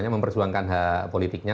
mempersuangkan hak politiknya